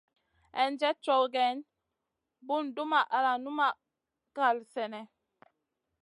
Hinjèd cow geyni, bùn dumʼma al numʼma na kal sènèh.